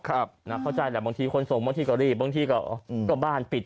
เข้าใจแหละบางทีคนส่งบางทีก็รีบบางทีก็บ้านปิด